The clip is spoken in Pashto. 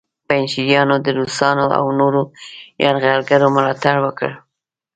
پنجشیریانو د روسانو او نورو یرغلګرو ملاتړ وکړ